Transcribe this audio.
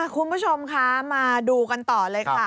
คุณผู้ชมคะมาดูกันต่อเลยค่ะ